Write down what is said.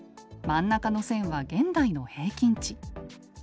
真ん中の線は現代の平均値。